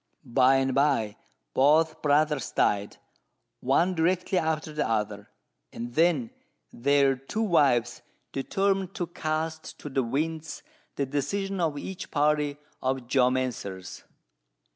By and by, both brothers died, one directly after the other; and then their two wives determined to cast to the winds the decision of each party of geomancers.